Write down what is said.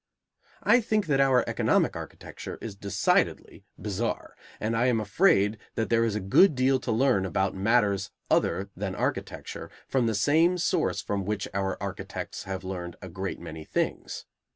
I think that our economic architecture is decidedly bizarre; and I am afraid that there is a good deal to learn about matters other than architecture from the same source from which our architects have learned a great many things.